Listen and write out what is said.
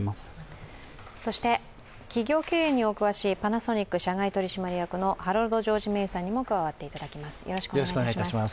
そして、企業経営にお詳しいパナソニック社外取締役のハロルド・ジョージ・メイさんにも加わっていただきます。